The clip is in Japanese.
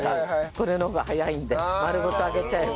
これの方が早いので丸ごと揚げちゃえば早いので。